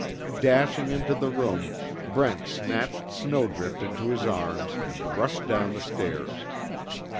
Dashing into the room, Brent snatched Snowdrift into his arms, and rushed down the stairs.